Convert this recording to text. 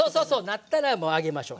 なったらもう上げましょう。